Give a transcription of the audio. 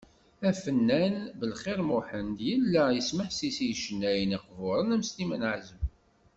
Afennan Belxir Muḥend, yella yesmeḥsis i yicennayen iqburen am Sliman Ɛazem.